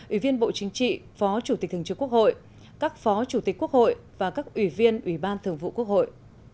ủy viên bộ chính trị phó chủ tịch thường trường quốc hội